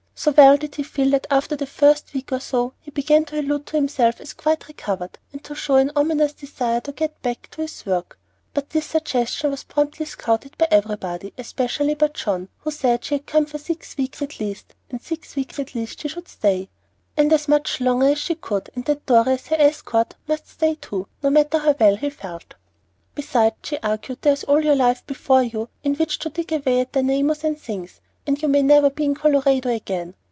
So well did he feel that after the first week or so he began to allude to himself as quite recovered, and to show an ominous desire to get back to his work; but this suggestion was promptly scouted by everybody, especially by John, who said she had come for six weeks at least, and six weeks at least she should stay, and as much longer as she could; and that Dorry as her escort must stay too, no matter how well he might feel. "Besides," she argued, "there's all your life before you in which to dig away at dynamos and things, and you may never be in Colorado again.